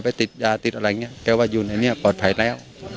ติดยาติดอะไรอย่างนี้แกว่าอยู่ในนี้ปลอดภัยแล้ว